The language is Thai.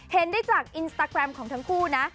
เห็นได้จากอินสตาแกรมของทั้งคู่นะ